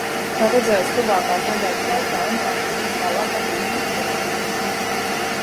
Redzēs tuvākās nedēļas laikā, kā tas viss tālāk attīstīsies.